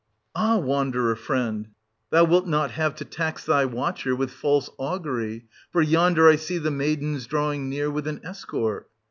Ah, wanderer friend, thou wilt not have to tax thy watcher with false augury, — for yonder I see the maidens drawing near with an escort.